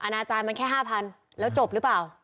อาจารย์มันแค่๕๐๐๐แล้วจบหรือเปล่า